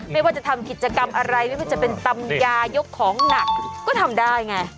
ไม่ว่าจะทำกิจกรรมอะไรไม่ว่าจะเป็นตำยายกของหนักก็ทำได้ไง